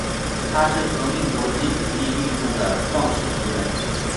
它是革命国际主义运动的创始成员。